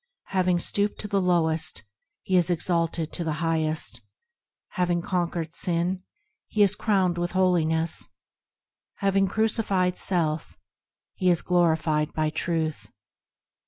Having stooped to the lowest, he is exalted to the Highest; Having conquered sin, he is crowned with Holiness ; Having crucified self, he is glorified by Truth.